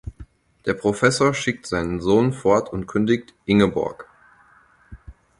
Der Professor schickt seinen Sohn fort und kündigt Ingeborg.